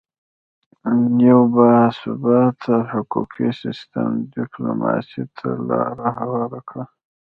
یو باثباته حقوقي سیستم ډیپلوماسي ته لاره هواره کړه